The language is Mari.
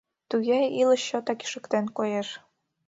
«Туге, илыш чотак ишыктен, коеш...»